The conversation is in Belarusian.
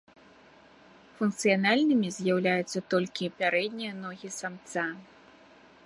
Функцыянальнымі з'яўляюцца толькі пярэднія ногі самца.